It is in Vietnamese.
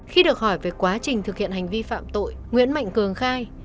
khi được hỏi về quá trình thực hiện hành vi phạm tội nguyễn mạnh cường khai